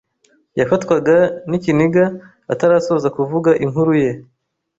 yafatwaga n’ikiniga atarasoza kuvuga inkuru ye.